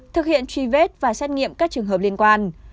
thực hiện truy vết và xét nghiệm các trường hợp liên quan